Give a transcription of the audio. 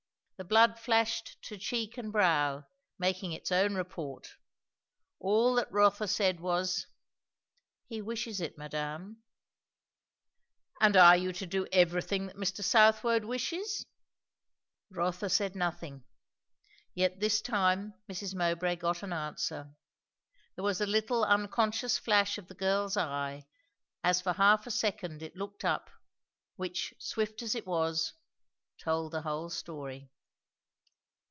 The blood flashed to cheek and brow, making its own report; all that Rotha said, was, "He wishes it, madame." "And are you to do everything that Mr. Southwode wishes?" Rotha said nothing, yet this time Mrs. Mowbray got an answer. There was a little unconscious flash of the girl's eye, as for half a second it looked up, which swift as it was, told the whole story.